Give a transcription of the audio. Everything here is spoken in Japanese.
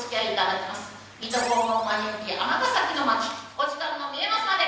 お時間の見えますまで。